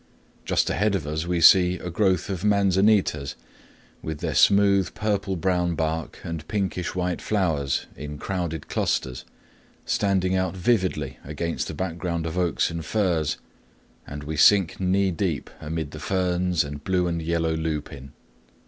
Just ahead of us we see a growth of manzanitas, with their smooth purple brown bark and pinkish white flowers in crowded clusters, standing out vividly against the background of oaks and firs, and we sink knee deep amid the ferns and blue and yellow lupine.